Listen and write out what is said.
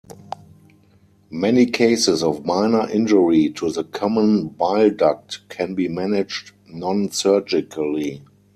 Many cases of minor injury to the common bile duct can be managed non-surgically.